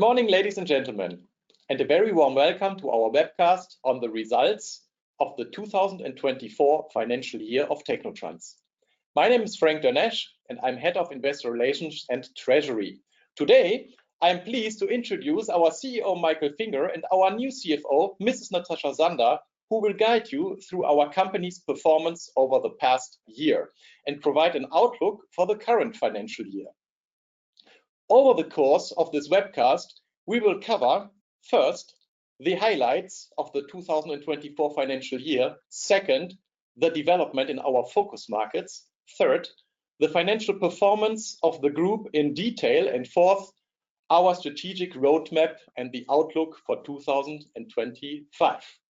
Good morning, ladies and gentlemen, and a very warm welcome to our webcast on the results of the 2024 financial year of technotrans. My name is Frank Dernesch. I'm Head of Investor Relations and Treasury. Today, I'm pleased to introduce our CEO, Michael Finger, and our new CFO, Mrs. Natascha Sander, who will guide you through our company's performance over the past year and provide an outlook for the current financial year. Over the course of this webcast, we will cover, first, the highlights of the 2024 financial year. Second, the development in our focus markets. Third, the financial performance of the group in detail. Fourth, our strategic roadmap and the outlook for 2025.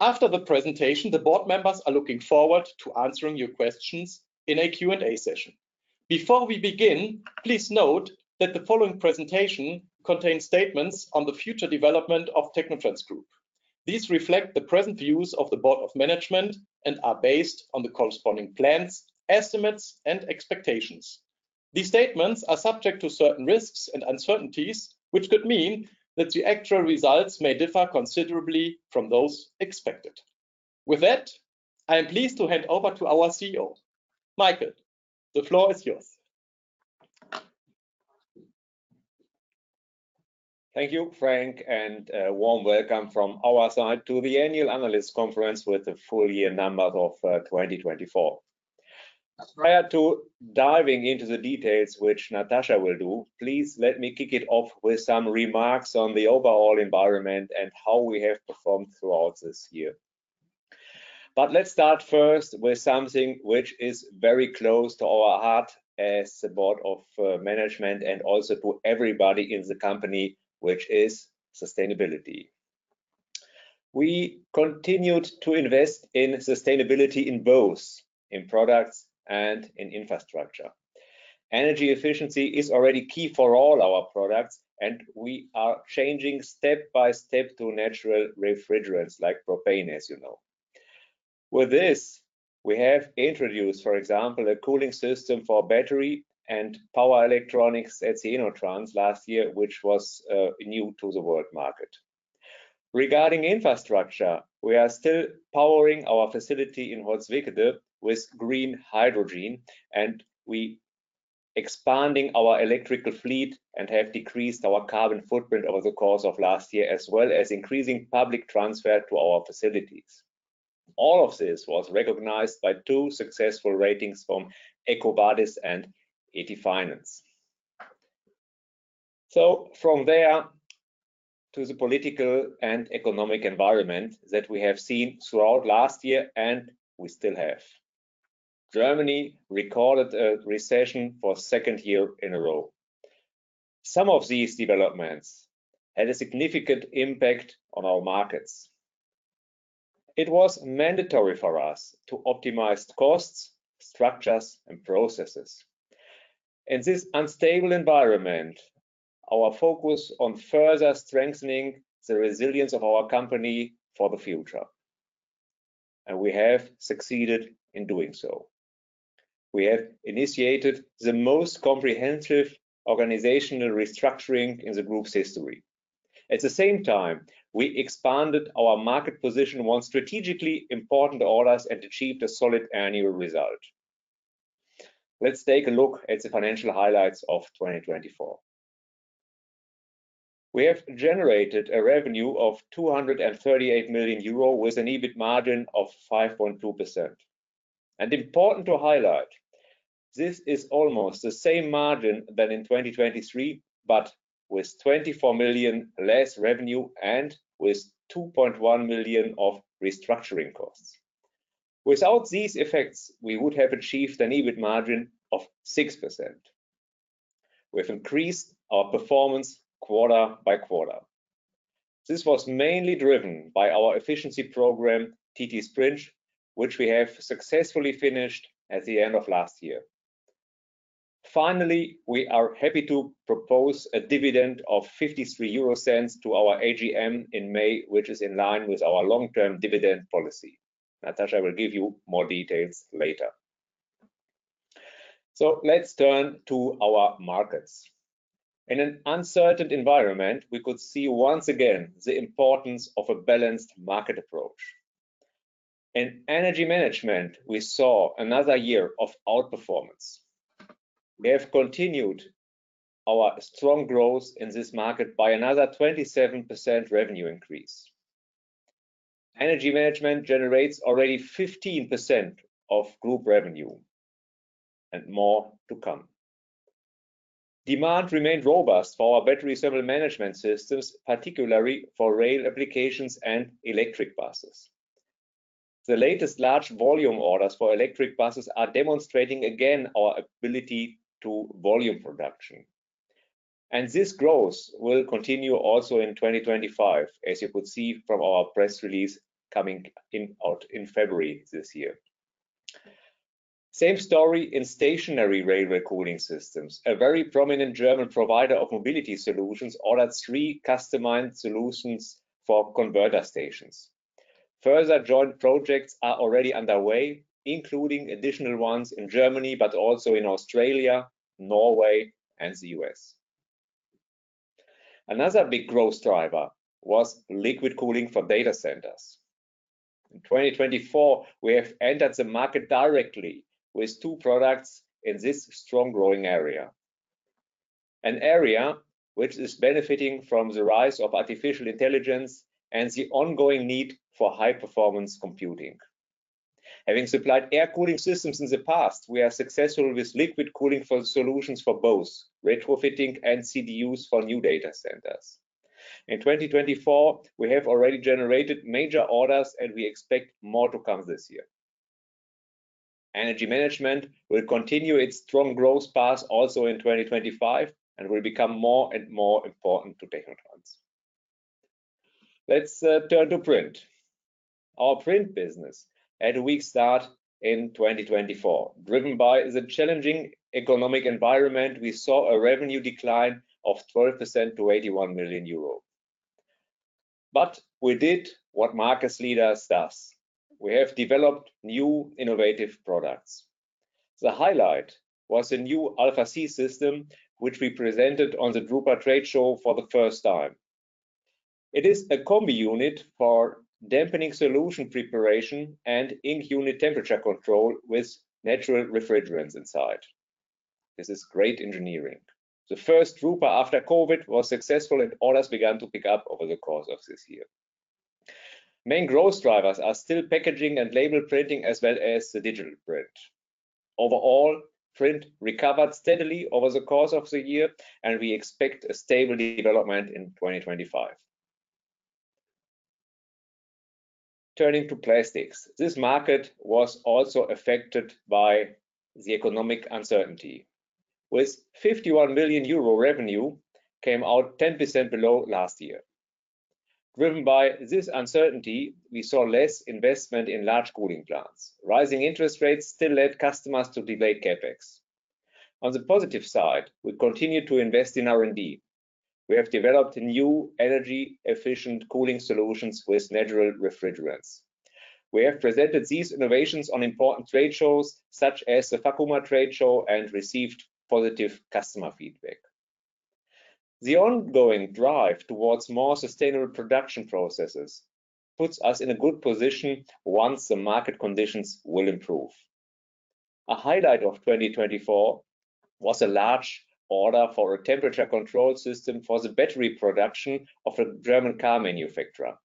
After the presentation, the board members are looking forward to answering your questions in a Q&A session. Before we begin, please note that the following presentation contains statements on the future development of technotrans Group. These reflect the present views of the board of management and are based on the corresponding plans, estimates, and expectations. These statements are subject to certain risks and uncertainties, which could mean that the actual results may differ considerably from those expected. With that, I am pleased to hand over to our CEO. Michael, the floor is yours. Thank you, Frank, and a warm welcome from our side to the annual analyst conference with the full year numbers of 2024. Prior to diving into the details, which Natascha will do, please let me kick it off with some remarks on the overall environment and how we have performed throughout this year. Let's start first with something which is very close to our heart as the board of management and also to everybody in the company, which is sustainability. We continued to invest in sustainability in both in products and in infrastructure. Energy efficiency is already key for all our products, and we are changing step by step to natural refrigerants like propane, as you know. With this, we have introduced, for example, a cooling system for battery and power electronics at the InnoTrans last year, which was new to the world market. Regarding infrastructure, we are still powering our facility in Holzwickede with green hydrogen, and we expanding our electrical fleet and have decreased our carbon footprint over the course of last year, as well as increasing public transfer to our facilities. All of this was recognized by two successful ratings from EcoVadis and AT Finance. From there to the political and economic environment that we have seen throughout last year, and we still have. Germany recorded a recession for a second year in a row. Some of these developments had a significant impact on our markets. It was mandatory for us to optimize costs, structures, and processes. In this unstable environment, our focus on further strengthening the resilience of our company for the future, and we have succeeded in doing so. We have initiated the most comprehensive organizational restructuring in the group's history. At the same time, we expanded our market position, won strategically important orders, and achieved a solid annual result. Let's take a look at the financial highlights of 2024. We have generated a revenue of 238 million euro with an EBIT margin of 5.2%. Important to highlight, this is almost the same margin than in 2023, but with 24 million less revenue and with 2.1 million of restructuring costs. Without these effects, we would have achieved an EBIT margin of 6%. We've increased our performance quarter by quarter. This was mainly driven by our efficiency program, ttSprint, which we have successfully finished at the end of last year. We are happy to propose a dividend of 0.53 to our AGM in May, which is in line with our long-term dividend policy. Natascha will give you more details later. Let's turn to our markets. In an uncertain environment, we could see once again the importance of a balanced market approach. In Energy Management, we saw another year of outperformance. We have continued our strong growth in this market by another 27% revenue increase. Energy Management generates already 15% of group revenue, and more to come. Demand remained robust for our battery thermal management systems, particularly for rail applications and electric buses. The latest large volume orders for electric buses are demonstrating again our ability to volume production. This growth will continue also in 2025, as you could see from our press release out in February this year. Same story in stationary railway cooling systems. A very prominent German provider of mobility solutions ordered three customized solutions for converter stations. Further joint projects are already underway, including additional ones in Germany, but also in Australia, Norway and the U.S. Another big growth driver was liquid cooling for data centers. In 2024, we have entered the market directly with two products in this strong growing area. An area which is benefiting from the rise of artificial intelligence and the ongoing need for high performance computing. Having supplied air cooling systems in the past, we are successful with liquid cooling for solutions for both retrofitting and CDUs for new data centers. In 2024, we have already generated major orders, and we expect more to come this year. Energy Management will continue its strong growth path also in 2025 and will become more and more important to technotrans. Let's turn to Print. Our Print business had a weak start in 2024. Driven by the challenging economic environment, we saw a revenue decline of 12% to 81 million euro. We did what market leaders does. We have developed new innovative products. The highlight was a new alpha.c system, which we presented on the Drupa trade show for the first time. It is a combi unit for dampening solution preparation and ink unit temperature control with natural refrigerants inside. This is great engineering. The first Drupa after COVID was successful. Orders began to pick up over the course of this year. Main growth drivers are still packaging and label Printing, as well as the digital Print. Overall, Print recovered steadily over the course of the year. We expect a stable development in 2025. Turning to Plastics, this market was also affected by the economic uncertainty. With 51 million euro revenue came out 10% below last year. Driven by this uncertainty, we saw less investment in large cooling plants. Rising interest rates still led customers to delay CapEx. On the positive side, we continue to invest in R&D. We have developed new energy-efficient cooling solutions with natural refrigerants. We have presented these innovations on important trade shows such as the Fakuma Trade Show and received positive customer feedback. The ongoing drive towards more sustainable production processes puts us in a good position once the market conditions will improve. A highlight of 2024 was a large order for a temperature control system for the battery production of a German car manufacturer.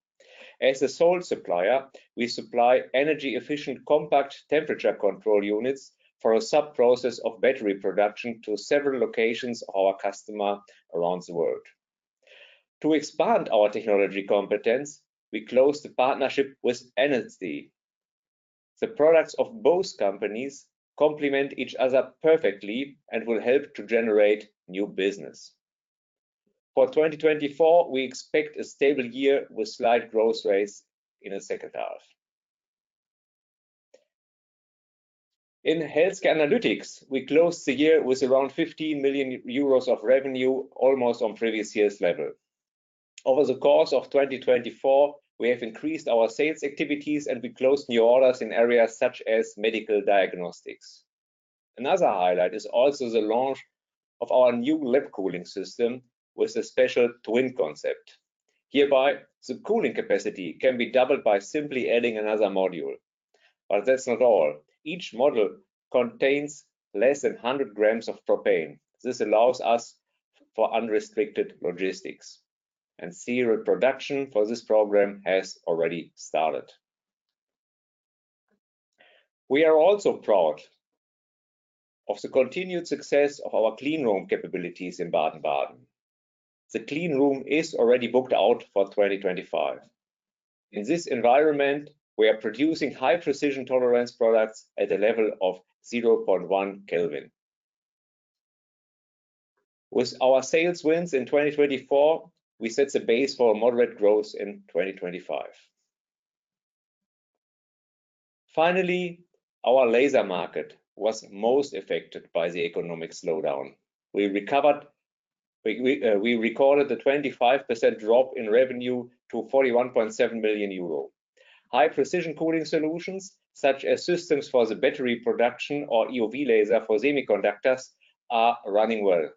As the sole supplier, we supply energy-efficient compact temperature control units for a sub-process of battery production to several locations of our customer around the world. To expand our technology competence, we closed a partnership with Enerside. The products of both companies complement each other perfectly and will help to generate new business. For 2024, we expect a stable year with slight growth rates in the second half. In Healthcare & Analytics, we closed the year with around 15 million euros of revenue, almost on previous year's level. Over the course of 2024, we have increased our sales activities, and we closed new orders in areas such as medical diagnostics. Another highlight is also the launch of our new lab cooling system with a special twin concept. Hereby, the cooling capacity can be doubled by simply adding another module. That's not all. Each module contains less than 100 g of propane. This allows us for unrestricted logistics and serial production for this program has already started. We are also proud of the continued success of our clean room capabilities in Baden-Baden. The clean room is already booked out for 2025. In this environment, we are producing high precision tolerance products at a level of 0.1 Kelvin. With our sales wins in 2024, we set the base for a moderate growth in 2025. Finally, our Laser market was most affected by the economic slowdown. We recorded a 25% drop in revenue to 41.7 million euro. High precision cooling solutions, such as systems for the battery production or EUV laser for semiconductors, are running well.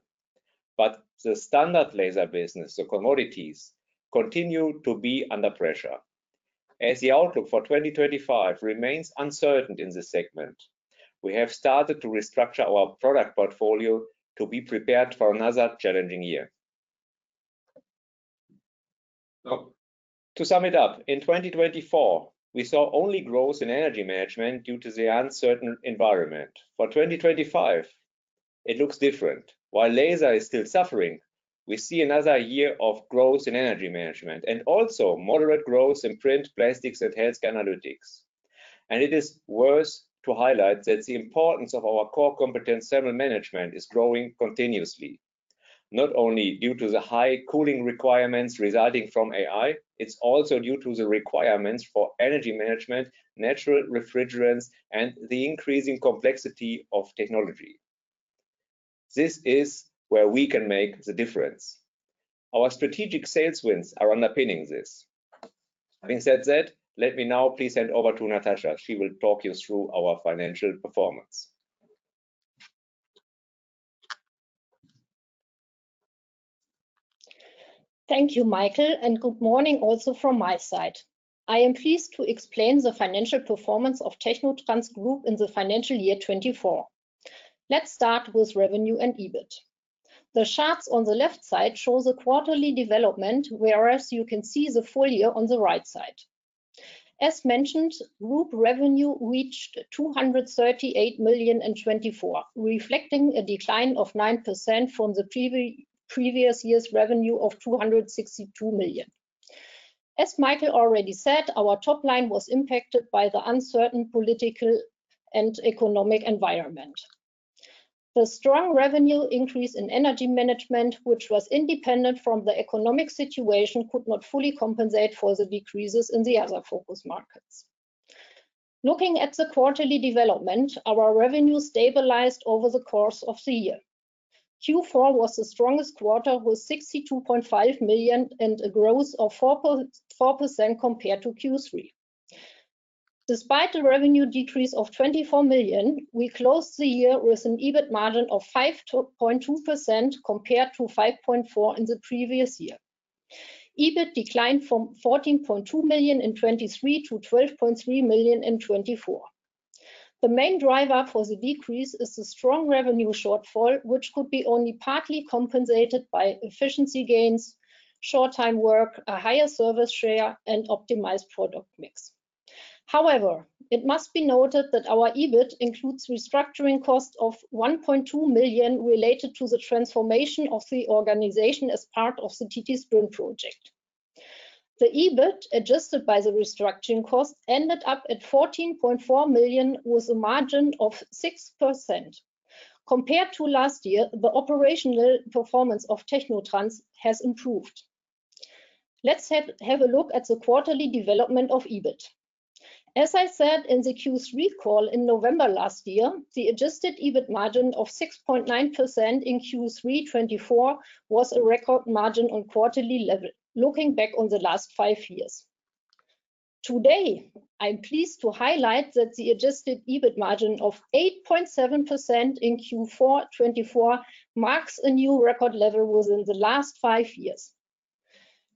The standard Laser business, the commodities, continue to be under pressure. As the outlook for 2025 remains uncertain in this segment, we have started to restructure our product portfolio to be prepared for another challenging year. To sum it up, in 2024, we saw only growth in Energy Management due to the uncertain environment. 2025, it looks different. Laser is still suffering, we see another year of growth in Energy Management and also moderate growth in Print, Plastics and Healthcare & Analytics. It is worth to highlight that the importance of our core competence, thermal management, is growing continuously, not only due to the high cooling requirements resulting from AI, it's also due to the requirements for Energy Management, natural refrigerants, and the increasing complexity of technology. This is where we can make the difference. Our strategic sales wins are underpinning this. Having said that, let me now please hand over to Natascha. She will talk you through our financial performance. Thank you, Michael, good morning also from my side. I am pleased to explain the financial performance of technotrans Group in the financial year 2024. Let's start with revenue and EBIT. The charts on the left side shows a quarterly development, whereas you can see the full year on the right side. As mentioned, group revenue reached 238 million in 2024, reflecting a decline of 9% from the previous year's revenue of 262 million. As Michael already said, our top line was impacted by the uncertain political and economic environment. The strong revenue increase in Energy Management, which was independent from the economic situation, could not fully compensate for the decreases in the other focus markets. Looking at the quarterly development, our revenue stabilized over the course of the year. Q4 was the strongest quarter with 62.5 million and a growth of 4.4% compared to Q3. Despite the revenue decrease of 24 million, we closed the year with an EBIT margin of 5.2% compared to 5.4% in the previous year. EBIT declined from 14.2 million in 2023 to 12.3 million in 2024. The main driver for the decrease is the strong revenue shortfall, which could be only partly compensated by efficiency gains, short time work, a higher Services share and optimized product mix. However, it must be noted that our EBIT includes restructuring costs of 1.2 million related to the transformation of the organization as part of the ttSprint project. The EBIT, adjusted by the restructuring costs, ended up at 14.4 million, with a margin of 6%. Compared to last year, the operational performance of technotrans has improved. Let's have a look at the quarterly development of EBIT. As I said in the Q3 call in November last year, the adjusted EBIT margin of 6.9% in Q3 2024 was a record margin on quarterly level, looking back on the last five years. Today, I'm pleased to highlight that the adjusted EBIT margin of 8.7% in Q4 2024 marks a new record level within the last five years.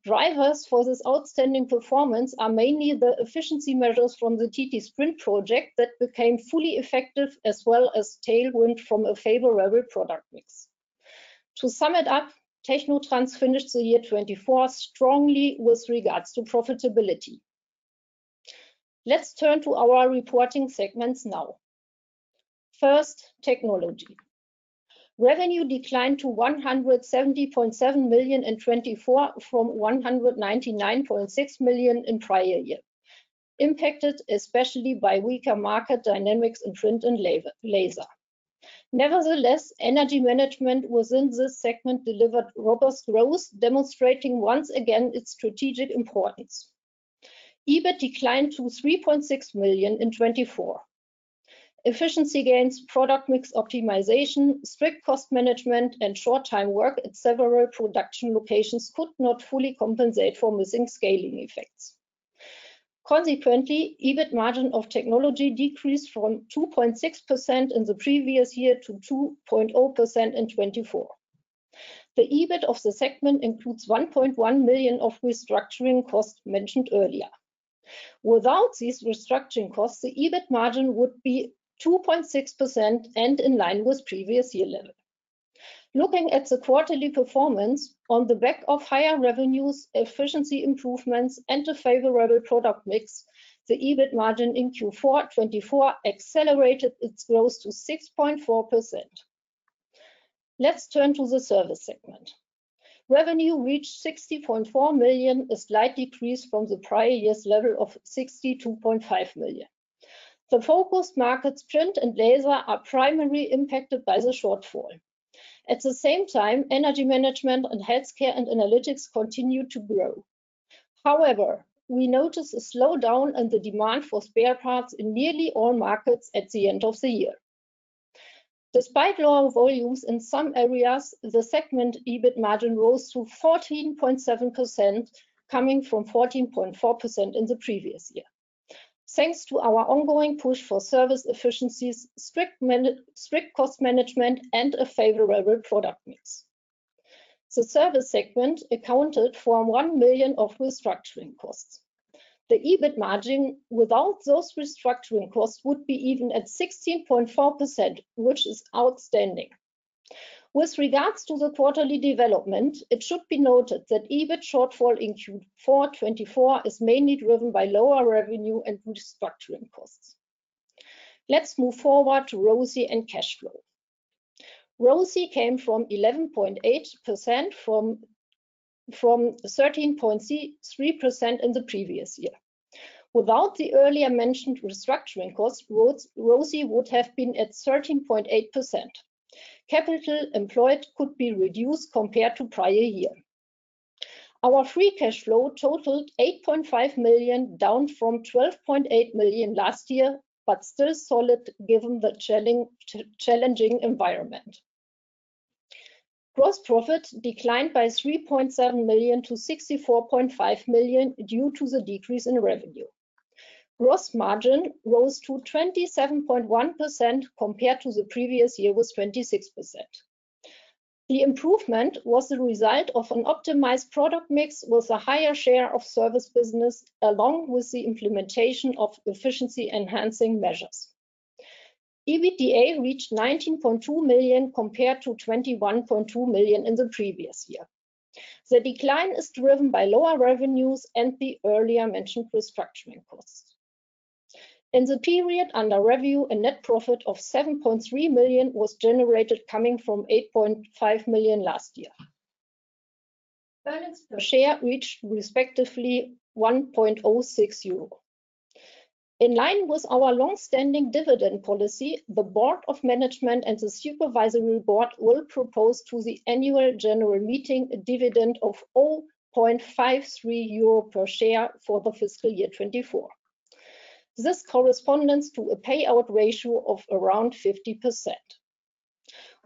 Drivers for this outstanding performance are mainly the efficiency measures from the ttSprint project that became fully effective, as well as tailwind from a favorable product mix. To sum it up, technotrans finished the year 2024 strongly with regards to profitability. Let's turn to our reporting segments now. First, Technology. Revenue declined to 170.7 million in 2024 from 199.6 million in prior year, impacted especially by weaker market dynamics in Print and Laser. Energy Management within this segment delivered robust growth, demonstrating once again its strategic importance. EBIT declined to 3.6 million in 2024. Efficiency gains, product mix optimization, strict cost management and short time work at several production locations could not fully compensate for missing scaling effects. EBIT margin of Technology decreased from 2.6% in the previous year to 2.0% in 2024. The EBIT of the segment includes 1.1 million of restructuring costs mentioned earlier. Without these restructuring costs, the EBIT margin would be 2.6% and in line with previous year level. Looking at the quarterly performance on the back of higher revenues, efficiency improvements and a favorable product mix, the EBIT margin in Q4 2024 accelerated its growth to 6.4%. Let's turn to the Services segment. Revenue reached 60.4 million, a slight decrease from the prior year's level of 62.5 million. The focus markets, Print and Laser, are primarily impacted by the shortfall. At the same time, Energy Management and Healthcare & Analytics continued to grow. However, we noticed a slowdown in the demand for spare parts in nearly all markets at the end of the year. Despite lower volumes in some areas, the segment EBIT margin rose to 14.7%, coming from 14.4% in the previous year. Thanks to our ongoing push for Services efficiencies, strict cost management and a favorable product mix. The Services segment accounted for 1 million of restructuring costs. The EBIT margin without those restructuring costs would be even at 16.4%, which is outstanding. With regards to the quarterly development, it should be noted that EBIT shortfall in Q4 2024 is mainly driven by lower revenue and restructuring costs. Let's move forward to ROCE and cash flow. ROCE came from 11.8% from 13.3% in the previous year. Without the earlier mentioned restructuring costs, ROCE would have been at 13.8%. Capital employed could be reduced compared to prior year. Our free cash flow totaled 8.5 million, down from 12.8 million last year, but still solid given the challenging environment. Gross profit declined by 3.7 million to 64.5 million due to the decrease in revenue. Gross margin rose to 27.1% compared to the previous year was 26%. The improvement was the result of an optimized product mix with a higher share of Services business, along with the implementation of efficiency-enhancing measures. EBITDA reached 19.2 million compared to 21.2 million in the previous year. The decline is driven by lower revenues and the earlier mentioned restructuring costs. In the period under review, a net profit of 7.3 million was generated coming from 8.5 million last year. Earnings per share reached respectively 1.06 euro. In line with our long-standing dividend policy, the board of management and the supervisory board will propose to the annual general meeting a dividend of 0.53 euro per share for the fiscal year 2024. This corresponds to a payout ratio of around 50%.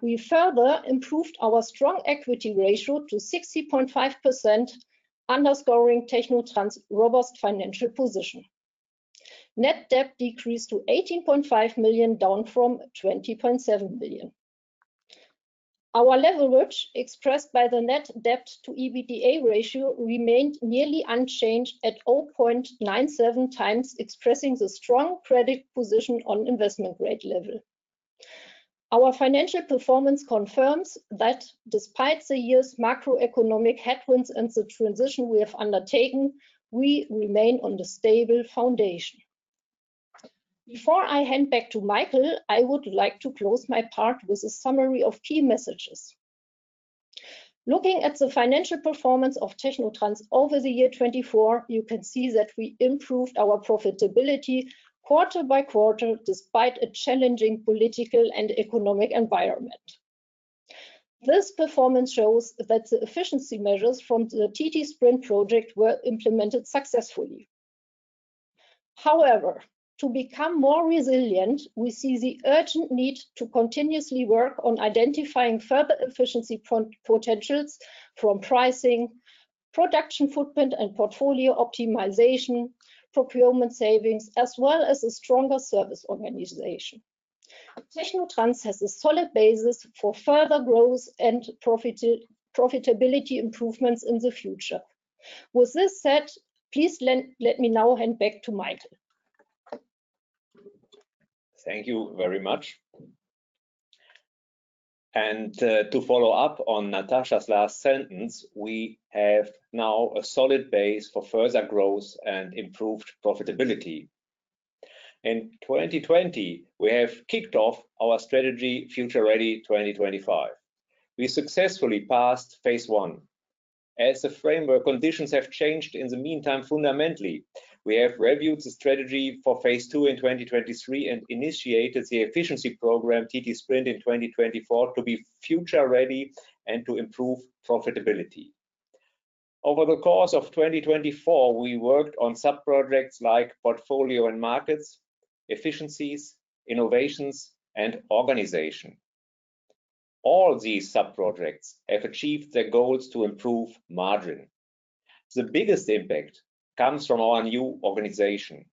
We further improved our strong equity ratio to 60.5%, underscoring technotrans' robust financial position. Net debt decreased to 18.5 million, down from 20.7 million. Our leverage expressed by the net debt to EBITDA ratio remained nearly unchanged at 0.97 times, expressing the strong credit position on investment grade level. Our financial performance confirms that despite the year's macroeconomic headwinds and the transition we have undertaken, we remain on the stable foundation. Before I hand back to Michael, I would like to close my part with a summary of key messages. Looking at the financial performance of technotrans over the year 2024, you can see that we improved our profitability quarter by quarter despite a challenging political and economic environment. This performance shows that the efficiency measures from the ttSprint project were implemented successfully. However, to become more resilient, we see the urgent need to continuously work on identifying further efficiency potentials from pricing, production footprint and portfolio optimization, procurement savings, as well as a stronger Services organization. technotrans has a solid basis for further growth and profitability improvements in the future. With this said, please let me now hand back to Michael. Thank you very much. To follow up on Natascha's last sentence, we have now a solid base for further growth and improved profitability. In 2020, we have kicked off our strategy Future Ready 2025. We successfully passed phase one. As the framework conditions have changed in the meantime fundamentally, we have reviewed the strategy for phase II in 2023 and initiated the efficiency program ttSprint in 2024 to be future ready and to improve profitability. Over the course of 2024, we worked on sub-projects like portfolio and markets, efficiencies, innovations and organization. All these sub-projects have achieved their goals to improve margin. The biggest impact comes from our new organization.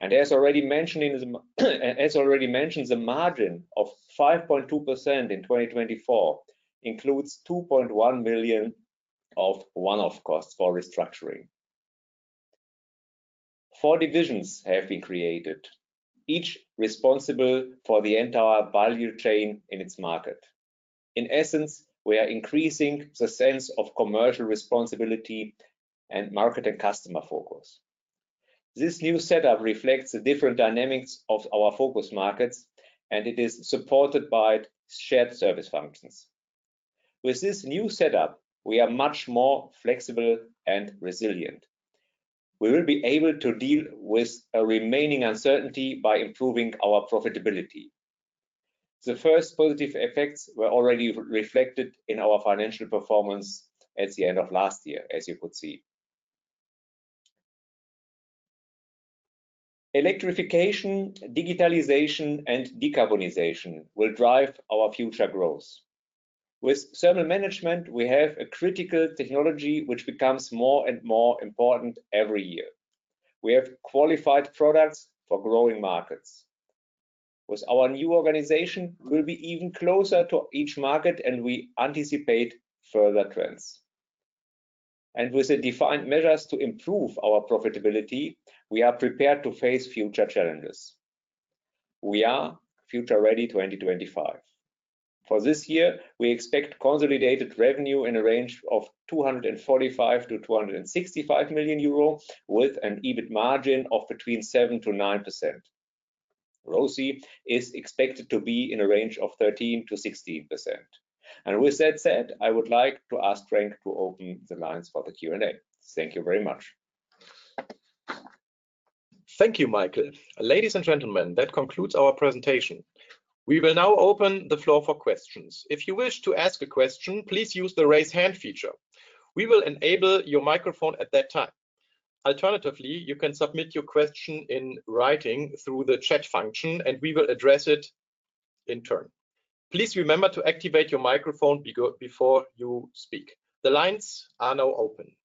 As already mentioned, the margin of 5.2% in 2024 includes 2.1 million of one-off costs for restructuring. Four divisions have been created, each responsible for the entire value chain in its market. In essence, we are increasing the sense of commercial responsibility and market and customer focus. This new setup reflects the different dynamics of our focus markets, and it is supported by shared service functions. With this new setup, we are much more flexible and resilient. We will be able to deal with a remaining uncertainty by improving our profitability. The first positive effects were already reflected in our financial performance at the end of last year, as you could see. Electrification, digitalization and decarbonization will drive our future growth. With thermal management, we have a critical technology which becomes more and more important every year. We have qualified products for growing markets. With our new organization, we'll be even closer to each market and we anticipate further trends. With the defined measures to improve our profitability, we are prepared to face future challenges. We are Future Ready 2025. For this year, we expect consolidated revenue in a range of 245 million-265 million euro with an EBIT margin of between 7% and 9%. ROCE is expected to be in a range of 13%-16%. With that said, I would like to ask Frank to open the lines for the Q&A. Thank you very much. Thank you, Michael. Ladies and gentlemen, that concludes our presentation. We will now open the floor for questions. If you wish to ask a question, please use the Raise Hand feature. We will enable your microphone at that time. Alternatively, you can submit your question in writing through the chat function, and we will address it in turn. Please remember to activate your microphone before you speak. The lines are now open.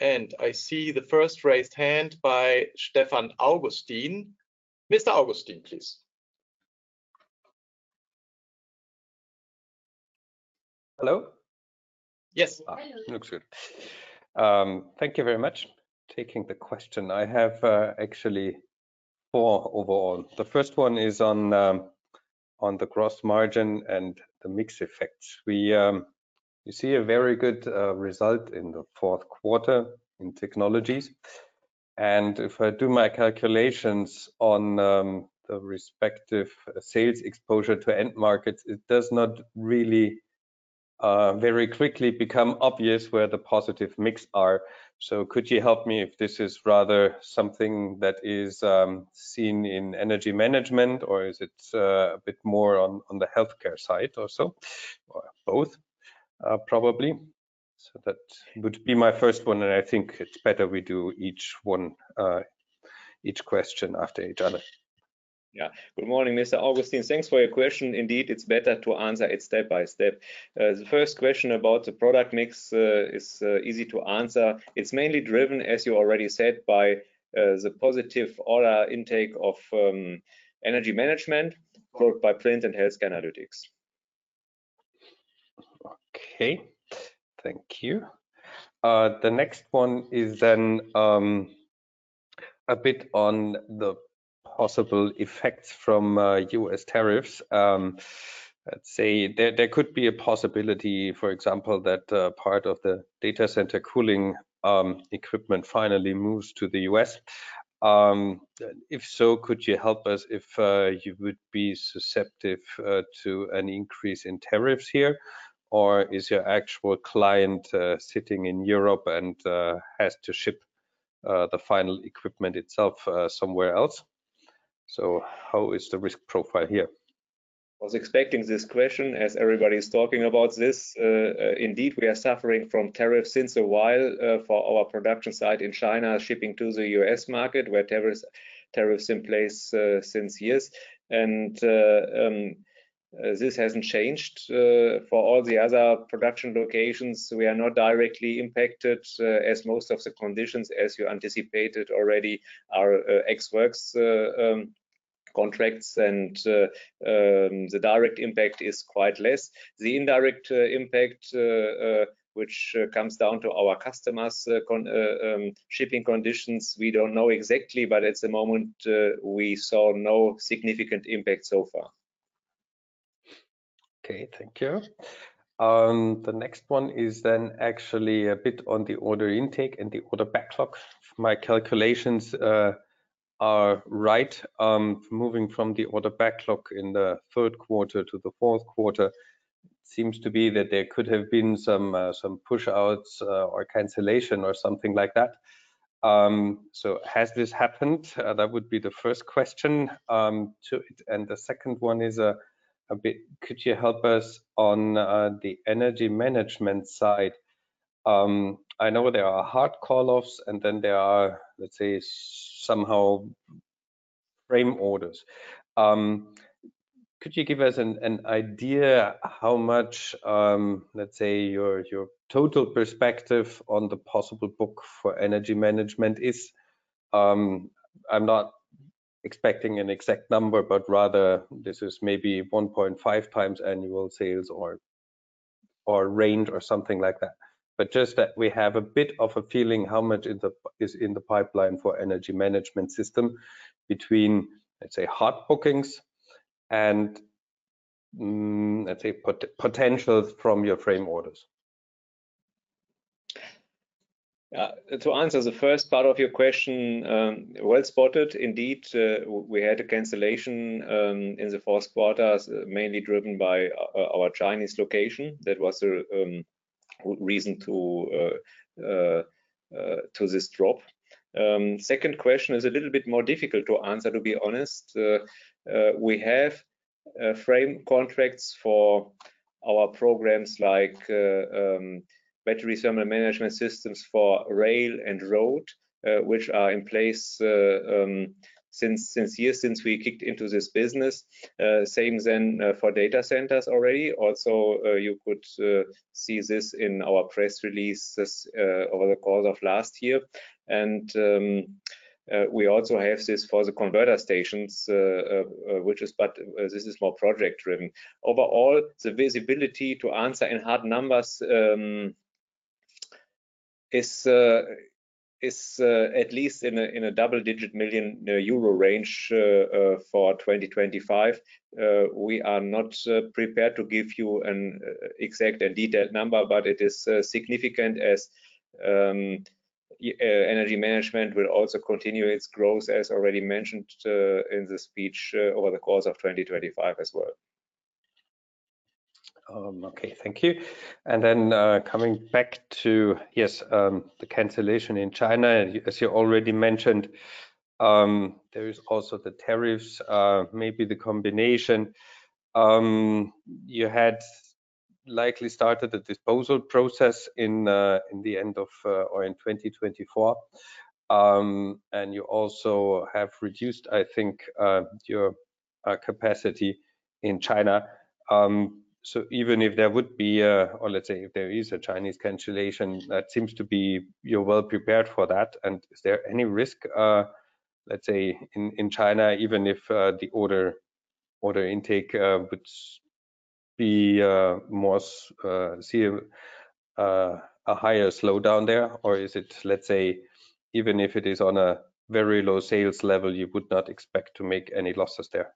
I see the first raised hand by Stefan Augustin. Mr. Augustin, please. Hello? Yes. Looks good. Thank you very much. Taking the question, I have actually four overall. The first one is on the gross margin and the mix effects. We see a very good result in the fourth quarter in Technology, and if I do my calculations on the respective sales exposure to end markets, it does not really very quickly become obvious where the positive mix are. Could you help me if this is rather something that is seen in Energy Management, or is it a bit more on the Healthcare side also? Or both, probably. That would be my first one, and I think it's better we do each one, each question after each other. Good morning, Mr. Augustin. Thanks for your question. Indeed, it's better to answer it step by step. The first question about the product mix is easy to answer. It's mainly driven, as you already said, by the positive order intake of Energy Management followed by Plastics and Healthcare & Analytics. Okay. Thank you. The next one is then, a bit on the possible effects from U.S. tariffs. Let's say there could be a possibility, for example, that part of the data center cooling equipment finally moves to the U.S. If so, could you help us if you would be susceptible to an increase in tariffs here, or is your actual client sitting in Europe and has to ship the final equipment itself somewhere else? How is the risk profile here? I was expecting this question, as everybody's talking about this. Indeed, we are suffering from tariffs since a while for our production site in China shipping to the U.S. market where tariffs are in place since years. This hasn't changed. For all the other production locations, we are not directly impacted, as most of the conditions, as you anticipated already, are ex works contracts and the direct impact is quite less. The indirect impact, which comes down to our customers' shipping conditions, we don't know exactly, but at the moment, we saw no significant impact so far. Thank you. The next one is actually a bit on the order intake and the order backlog. If my calculations are right, moving from the order backlog in the third quarter to the fourth quarter seems to be that there could have been some push-outs or cancellation or something like that. Has this happened? That would be the first question. The second one is a bit could you help us on the Energy Management side? I know there are hard call-offs and there are, let's say, somehow frame orders. Could you give us an idea how much, let's say, your total perspective on the possible book for Energy Management is? I'm not expecting an exact number, but rather this is maybe 1.5x annual sales or range or something like that. Just that we have a bit of a feeling how much is in the pipeline for Energy Management system between, let's say, hard bookings and, let's say, potential from your frame orders. To answer the first part of your question, well spotted, indeed, we had a cancellation in the fourth quarter, mainly driven by our Chinese location. That was the reason to this drop. Second question is a little bit more difficult to answer, to be honest. We have frame contracts for our programs like battery thermal management systems for rail and road, which are in place since years, since we kicked into this business. Same for data centers already. You could see this in our press releases over the course of last year. We also have this for the converter stations, which is, this is more project driven. Overall, the visibility to answer in hard numbers, is at least in a EUR double-digit million range for 2025. We are not prepared to give you an exact and detailed number, but it is significant as Energy Management will also continue its growth, as already mentioned in the speech, over the course of 2025 as well. Okay. Thank you. Coming back to, yes, the cancellation in China. As you already mentioned, there is also the tariffs, maybe the combination. You had likely started the disposal process in the end of or in 2024. You also have reduced, I think, your capacity in China. Even if there would be a or let's say if there is a Chinese cancellation, that seems to be you're well prepared for that. Is there any risk, let's say, in China, even if the order intake would be more see a higher slowdown there? Or is it, let's say, even if it is on a very low sales level, you would not expect to make any losses there?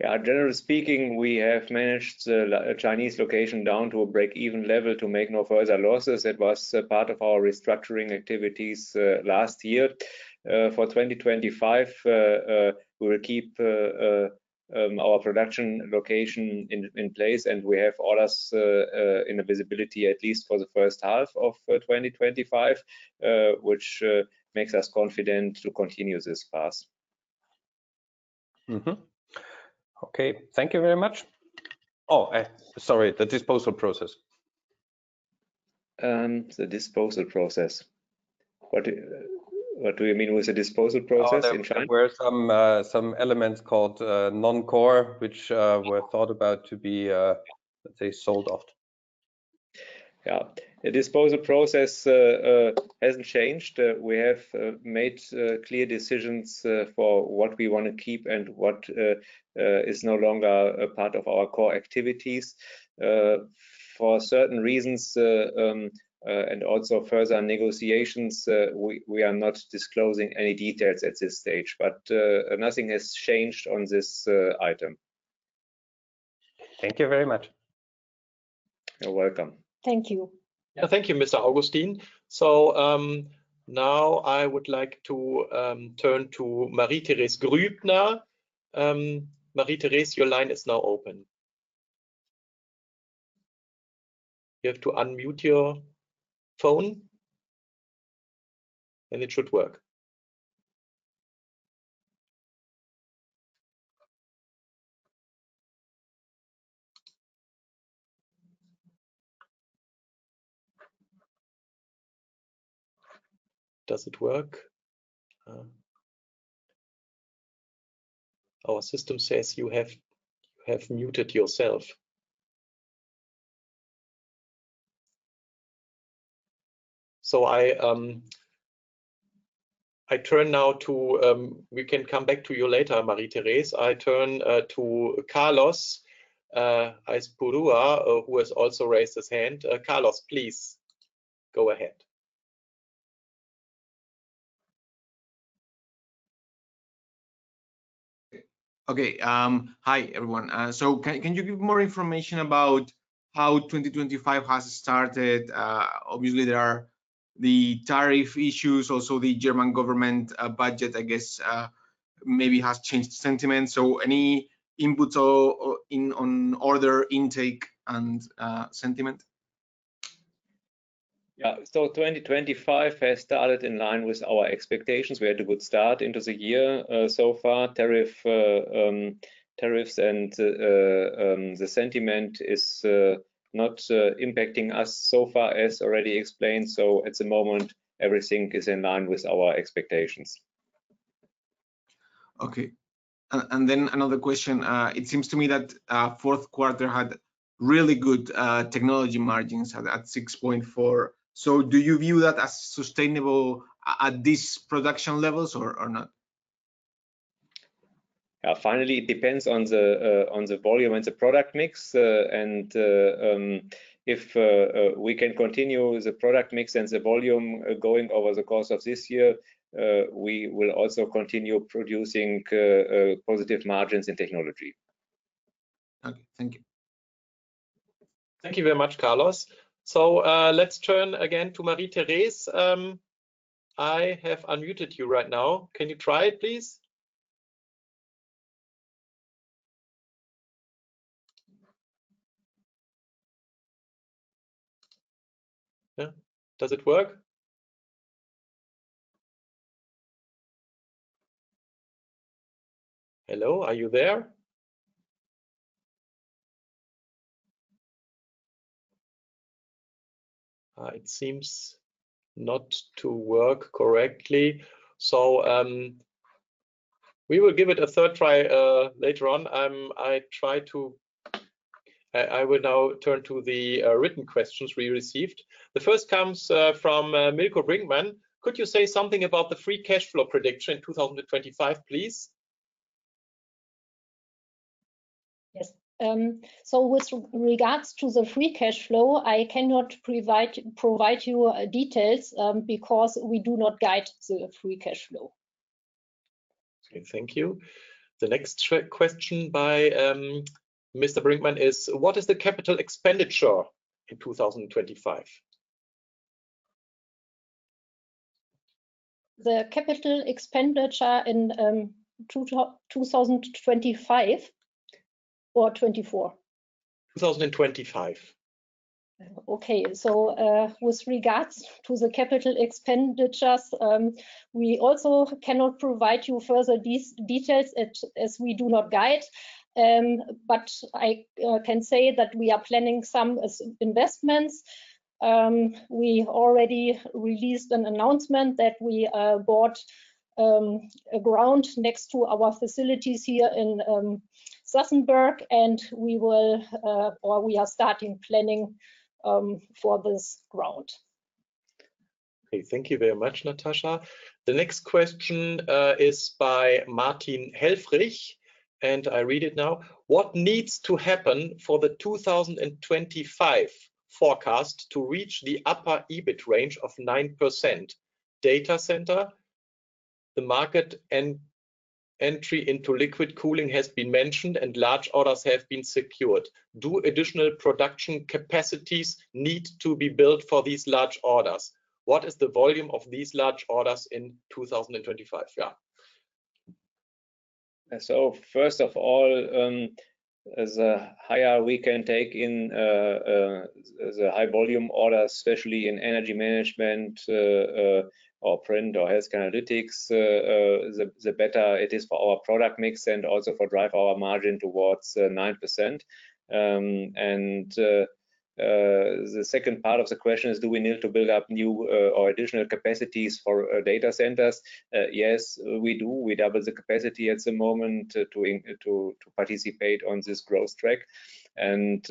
Generally speaking, we have managed the Chinese location down to a break-even level to make no further losses. It was part of our restructuring activities last year. For 2025, we will keep our production location in place, and we have orders in the visibility at least for the first half of 2025, which makes us confident to continue this path. Mm-hmm. Okay. Thank you very much. Oh, sorry, the disposal process. The disposal process. What do you mean with the disposal process in China? Oh, there were some elements called non-core, which were thought about to be, let's say, sold off. Yeah. The disposal process hasn't changed. We have made clear decisions for what we want to keep and what is no longer a part of our core activities. For certain reasons, and also further negotiations, we are not disclosing any details at this stage, but nothing has changed on this item. Thank you very much. You're welcome. Thank you. Yeah. Thank you, Mr. Augustin. Now I would like to turn to Marie-Thérèse Grübner. Marie-Thérèse, your line is now open. You have to unmute your phone, and it should work. Does it work? Our system says you have muted yourself. We can come back to you later, Marie-Thérèse. I turn to Carlos Aizpurua, who has also raised his hand. Carlos, please go ahead. Okay. Hi, everyone. Can you give more information about how 2025 has started? Obviously there are the tariff issues, also the German government budget, I guess, maybe has changed sentiment. Any inputs on order intake and sentiment? 2025 has started in line with our expectations. We had a good start into the year so far. Tariffs and the sentiment is not impacting us so far, as already explained. At the moment, everything is in line with our expectations. Okay. Then another question. It seems to me that fourth quarter had really good Technology margins at 6.4%. Do you view that as sustainable at this production levels or not? Finally, it depends on the volume and the product mix. If we can continue the product mix and the volume going over the course of this year, we will also continue producing positive margins in Technology. Okay. Thank you. Thank you very much, Carlos. Let's turn again to Marie-Thérèse. I have unmuted you right now. Can you try it, please? Yeah, does it work? It seems not to work correctly. We will give it a third try later on. I will now turn to the written questions we received. The first comes from Mirko Brinkmann. Could you say something about the free cash flow prediction 2025, please? Yes. With regards to the free cash flow, I cannot provide you details because we do not guide the free cash flow. Okay. Thank you. The next question by Mr. Brinkmann is, what is the capital expenditure in 2025? The capital expenditure in 2025 or 2024? 2025. With regards to the capital expenditures, we also cannot provide you further details as we do not guide. I can say that we are planning some investments. We already released an announcement that we bought a ground next to our facilities here in Sassenberg. We will or we are starting planning for this ground. Okay. Thank you very much, Natascha. The next question is by Martin Helfrich, and I read it now. What needs to happen for the 2025 forecast to reach the upper EBIT range of 9%? Data center, the market and entry into liquid cooling has been mentioned and large orders have been secured. Do additional production capacities need to be built for these large orders? What is the volume of these large orders in 2025? First of all, as higher we can take in the high volume orders, especially in Energy Management, or Print, or Healthcare & Analytics, the better it is for our product mix and also for drive our margin towards 9%. The second part of the question is: do we need to build up new or additional capacities for data centers? Yes, we do. We double the capacity at the moment to participate on this growth track. We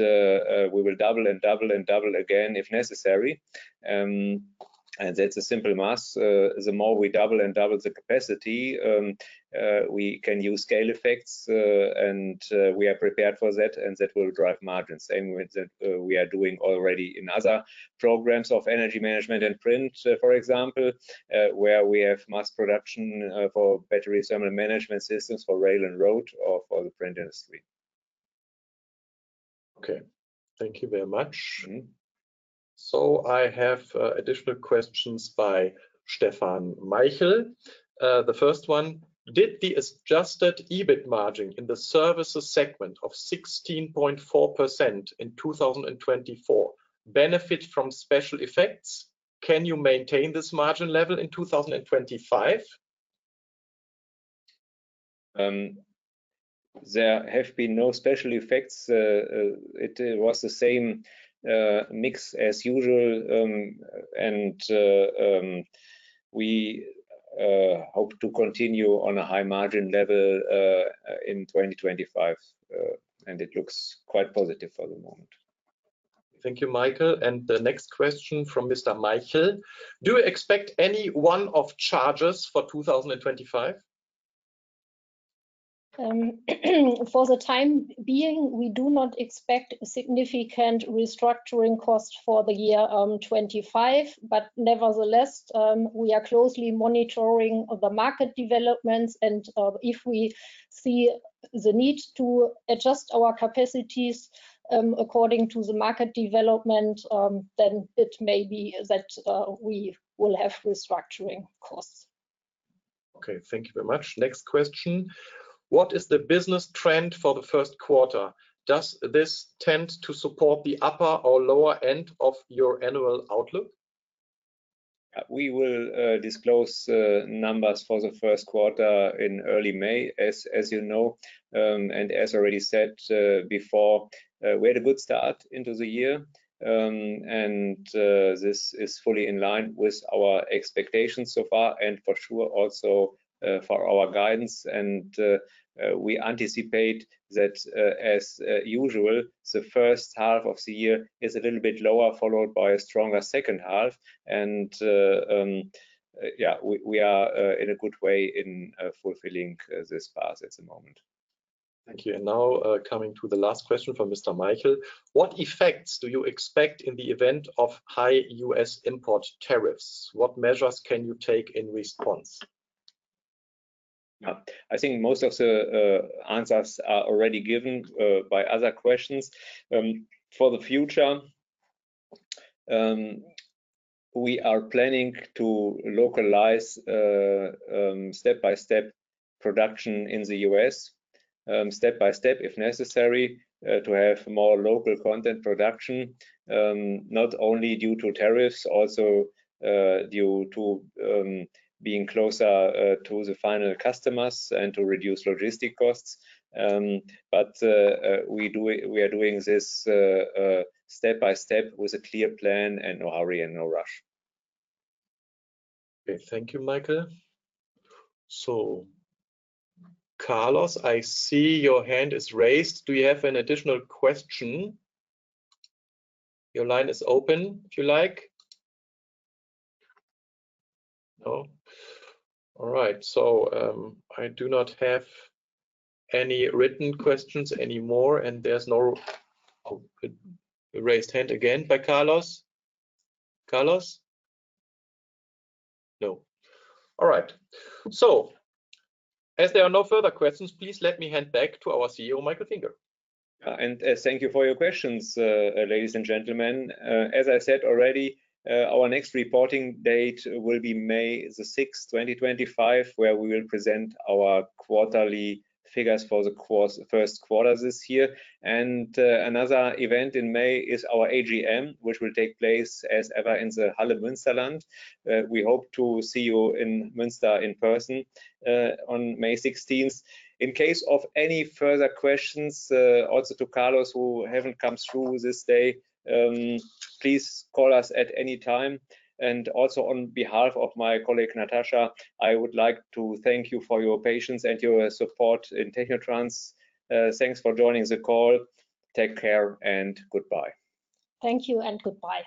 will double and double and double again, if necessary. That's a simple math. The more we double and double the capacity, we can use scale effects, and we are prepared for that, and that will drive margins. Same with that, we are doing already in other programs of Energy Management and Print, for example, where we have mass production for battery thermal management systems for rail and road or for the Print industry. Okay. Thank you very much. Mm-hmm. I have additional questions by Stefan Meichel. The first one, did the adjusted EBIT margin in the Services segment of 16.4% in 2024 benefit from special effects? Can you maintain this margin level in 2025? There have been no special effects. It was the same mix as usual. We hope to continue on a high margin level in 2025. It looks quite positive for the moment. Thank you, Michael. The next question from Mr. Meichel. Do you expect any one-off charges for 2025? For the time being, we do not expect significant restructuring costs for the year 2025. Nevertheless, we are closely monitoring the market developments. If we see the need to adjust our capacities, according to the market development, then it may be that we will have restructuring costs. Okay. Thank you very much. Next question. What is the business trend for the first quarter? Does this tend to support the upper or lower end of your annual outlook? We will disclose numbers for the first quarter in early May, as you know. As already said before, we had a good start into the year. This is fully in line with our expectations so far and for sure also for our guidance. We anticipate that as usual, the first half of the year is a little bit lower, followed by a stronger second half. We are in a good way in fulfilling this path at the moment. Thank you. Now, coming to the last question from Mr. Meichel. What effects do you expect in the event of high U.S. import tariffs? What measures can you take in response? Yeah. I think most of the answers are already given by other questions. For the future, we are planning to localize step-by-step production in the U.S., step-by-step if necessary, to have more local content production, not only due to tariffs, also due to being closer to the final customers and to reduce logistic costs. We are doing this step by step with a clear plan and no hurry and no rush. Okay. Thank you, Michael. Carlos, I see your hand is raised. Do you have an additional question? Your line is open if you like. No? All right. I do not have any written questions anymore. Oh, a raised hand again by Carlos. Carlos? No. All right. As there are no further questions, please let me hand back to our CEO, Michael Finger. Thank you for your questions, ladies and gentlemen. As I said already, our next reporting date will be May 6, 2025, where we will present our quarterly figures for the first quarter this year. Another event in May is our AGM, which will take place as ever in the Halle Münsterland. We hope to see you in Münster in person on May 16. In case of any further questions, also to Carlos, who haven't come through this day, please call us at any time. Also on behalf of my colleague, Natascha, I would like to thank you for your patience and your support in technotrans. Thanks for joining the call. Take care and goodbye. Thank you and goodbye.